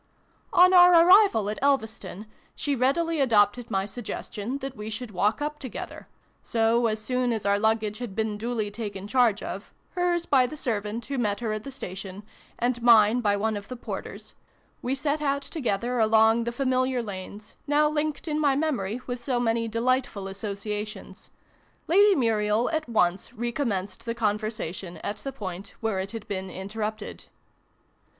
On our arrival at Elveston, she readily adopted my suggestion that we should walk up together ; so, as soon as our luggage had been duly taken charge of hers by the ser vant who met her at the station, and mine by one of the porters we set out together along the familiar lanes, now linked in my memory with so many delightful associations. Lady n] LOVE'S CURFEW. 29 Muriel at once recommenced the conversation at the point where it had been interrupted.